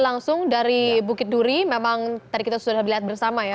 langsung dari bukit duri memang tadi kita sudah lihat bersama ya